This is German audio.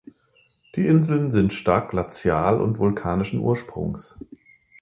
Die Inseln sind stark glazial und vulkanischen Ursprungs.